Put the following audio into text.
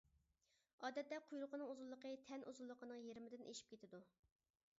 ئادەتتە قۇيرۇقىنىڭ ئۇزۇنلۇقى تەن ئۇزۇنلۇقىنىڭ يېرىمىدىن ئېشىپ كېتىدۇ.